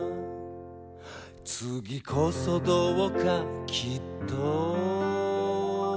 「次こそどうかきっと」